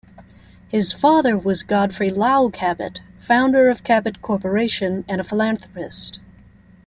His father was Godfrey Lowell Cabot, founder of Cabot Corporation and a philanthropist.